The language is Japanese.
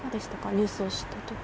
ニュースを知った時。